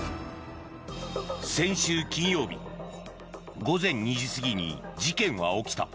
先週金曜日午前２時過ぎに事件は起きた。